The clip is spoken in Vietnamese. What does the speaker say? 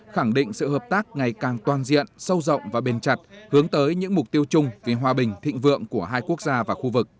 khẳng định sự hợp tác ngày càng toàn diện sâu rộng và bền chặt hướng tới những mục tiêu chung vì hòa bình thịnh vượng của hai quốc gia và khu vực